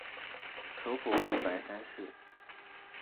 首府位于白山市。